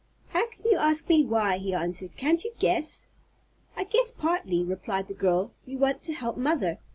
"How can you ask me why?" he answered. "Can't you guess?" "I guess partly," replied the girl; "you want to help mother.